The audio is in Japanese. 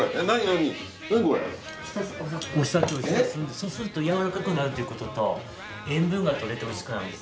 そうすると軟らかくなるということと塩分がとれておいしくなるんです。